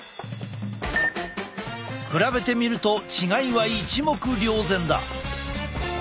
比べてみると違いは一目瞭然だ！